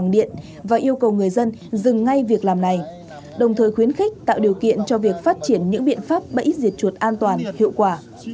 đồng thời khuyến khích tạo điều kiện cho việc phát triển những biện pháp bẫy diệt chuột an toàn hiệu quả